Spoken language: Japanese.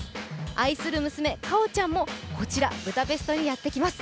愛する娘、果緒ちゃんもこちらブダペストにやってきます。